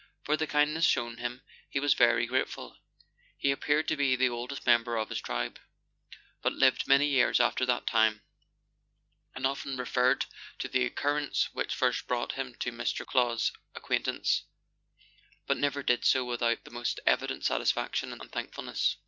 For the kindness shown him he was very grateful. He appeared to be the oldest member of his tribe, but lived many years after that time, and often referred to the occurrence which first brought him to Mr. Clow's acquaintance, but never did so without the most evident satisfaction and thankfulness.